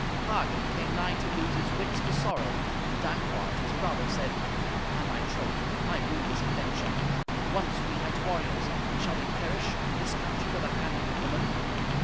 Hagen came nigh to lose his wits for sorrow, and Dankwart, his brother, said, "By my troth, I rue this adventure. Once we hight warriors, and shall we perish in this country by the hand of a woman?